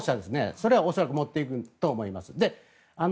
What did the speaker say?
それは恐らく持っていくと思います。